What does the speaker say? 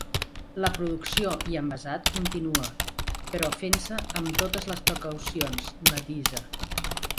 “La producció i envasat continua, però fent-se amb totes les precaucions”, matisa.